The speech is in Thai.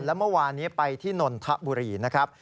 แล้วเมื่อวานนี้ไปที่นนทบุรีนะครับ